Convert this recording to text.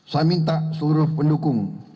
saya minta seluruh pendukung